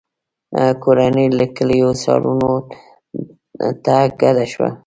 • کورنۍ له کلیو ښارونو ته کډه شوه.